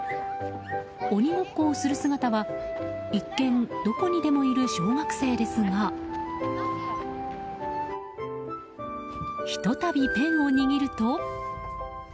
鬼ごっこをする姿は一見、どこにでもいる小学生ですがひと度ペンを握ると。